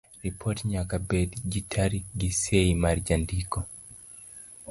Ripot nyaka bed gi tarik gi sei mar jandiko.